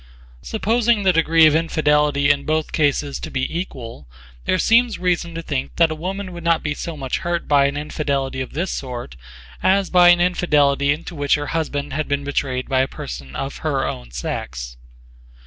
Supposing the degree of infidelity in both cases to be equal, there seems reason to think that a woman would not be so much hurt by an infidelity of this sort as by an infidelity into which her husband had been betrayed by a person of her own sex.